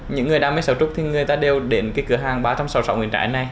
những người đam mê xáo trúc thì người ta đều đến cái cửa hàng ba trăm sáu mươi sáu người trái này